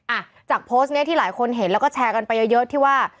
อ่ะจากโพสต์เนี้ยที่หลายคนเห็นแล้วก็แชร์กันไปเยอะเยอะที่ว่า